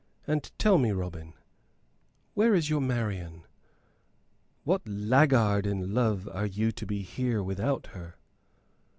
"And tell me, Robin, where is your Marian? What laggard in love are you to be here without her?"